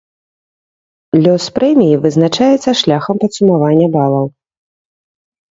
Лёс прэміі вызначаецца шляхам падсумавання балаў.